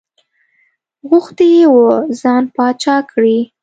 غوښتي یې وو ځان پاچا کړي.